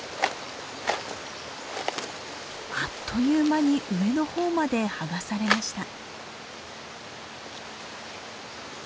あっという間に上の方まで剥がされました。